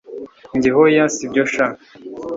njye hoya sibyo sha